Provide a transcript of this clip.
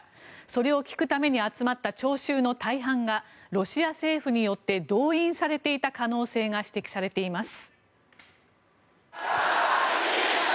それを聞くために集まった聴衆の大半がロシア政府によって動員されていた可能性が指摘されています。